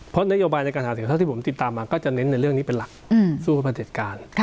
เพราะนัยโยบายในการหาสินค้าผมติดตามมาก็จะเน้นในเรื่องนี้เป็นหลักสู้คนประเทศกาล